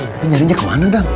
tapi nyarinya kemana dong